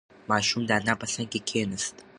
ماشوم د انا په څنگ کې کېناست.